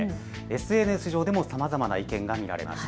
ＳＮＳ上でもさまざまな意見が見られました。